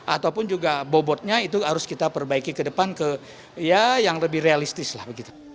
ataupun juga bobotnya itu harus kita perbaiki ke depan ke ya yang lebih realistis lah begitu